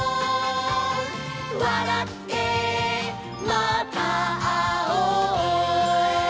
「わらってまたあおう」